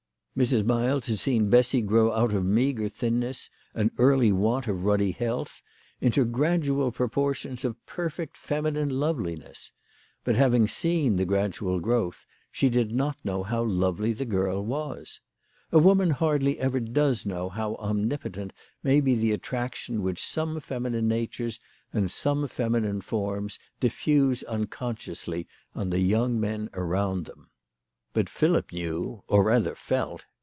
Mrs. Miles had seen Bessy grow out of meagre thin ness and early want of ruddy health, into gradual proportions of perfect feminine loveliness ; but, having seen the gradual growth, she did not know how lovely the girl was. A woman hardly ever does know how omnipotent may be the attraction which some feminine natures, and some feminine forms, diffuse unconsciously on the young men around them. But Philip knew, or rather felt.